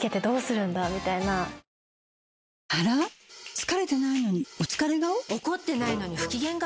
疲れてないのにお疲れ顔？